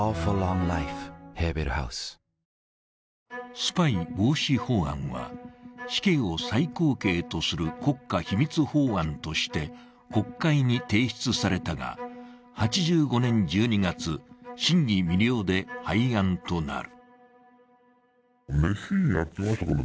スパイ防止法案は死刑を最高刑とする国家秘密法案として国会に提出されたが、８５年１２月、審議未了で廃案となる。